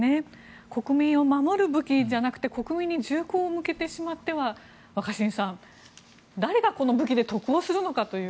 国民を守る武器じゃなくて国民に銃口を向けてしまっては若新さん、誰がこの武器で得をするのかという。